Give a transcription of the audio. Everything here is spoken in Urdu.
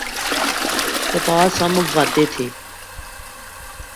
کپاس ہم اگاتے تھے۔